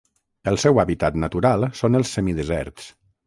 El seu hàbitat natural són els semideserts.